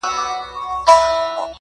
د جلادانو له تېغونو بیا د ګور تر کلي!!